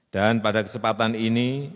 dan pada kesempatan ini